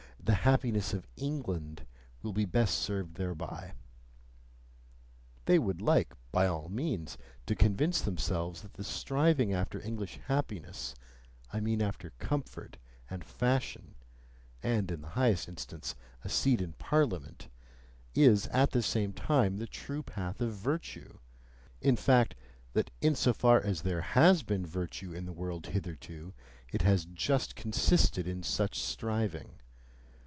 the happiness of ENGLAND, will be best served thereby. They would like, by all means, to convince themselves that the striving after English happiness, I mean after COMFORT and FASHION (and in the highest instance, a seat in Parliament), is at the same time the true path of virtue; in fact, that in so far as there has been virtue in the world hitherto, it has just consisted in such striving.